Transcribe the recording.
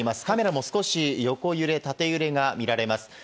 カメラも少し横揺れ、縦揺れが見られます。